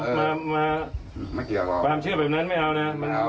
ไม่ต้องมาความเชื่อแบบนั้นไม่เอานะ